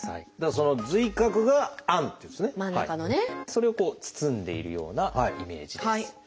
それをこう包んでいるようなイメージです。